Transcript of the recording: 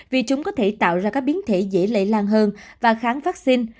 vì chúng có thể tạo ra các biến thể dễ lệ lan hơn và kháng vắc xin